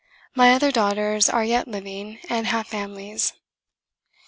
My other daughters are yet living, and have families.